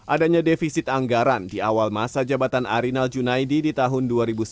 adanya defisit anggaran di awal masa jabatan arinal junaidi di tahun dua ribu sembilan belas